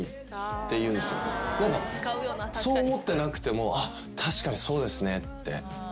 そう思ってなくても「確かにそうですね」って。